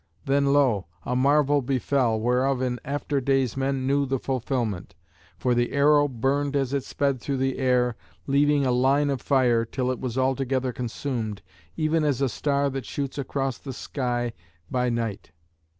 Then lo! a marvel befell, whereof in after days men knew the fulfilment; for the arrow burned as it sped through the air, leaving a line of fire, till it was altogether consumed, even as a star that shoots across the sky by night.